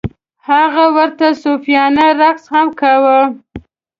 هغه ورته صوفیانه رقص هم کاوه.